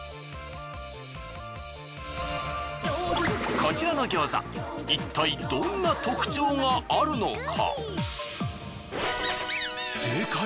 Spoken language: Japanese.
こちらの餃子いったいどんな特徴があるのか？